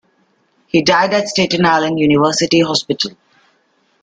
He died at Staten Island University Hospital.